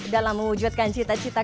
dalam mewujudkan cita cita